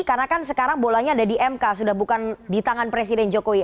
karena kan sekarang bolanya ada di mk sudah bukan di tangan presiden jokowi